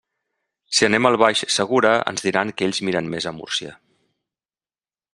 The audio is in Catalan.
Si anem al Baix Segura, ens diran que ells miren més a Múrcia.